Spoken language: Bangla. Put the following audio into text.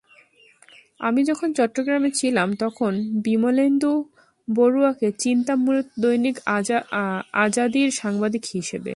আমি যখন চট্টগ্রামে ছিলাম, তখন বিমলেন্দু বড়ুয়াকে চিনতাম মূলত দৈনিক আজাদীর সাংবাদিক হিসেবে।